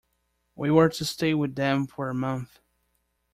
We were to stay with them for a month.